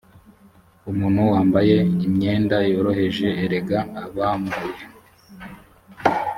umuntu wambaye imyenda yorohereye erega abambaye